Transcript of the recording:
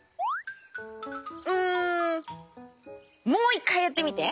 んもういっかいやってみて！